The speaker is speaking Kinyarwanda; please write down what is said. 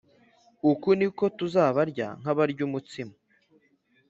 Uku niko tuzabarya nkabarya umutsima